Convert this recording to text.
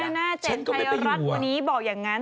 นี่น่าเจ็บใครรับวันนี้บอกอย่างนั้น